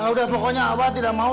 udah pokoknya awal tidak mau